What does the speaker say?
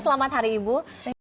selamat hari ibu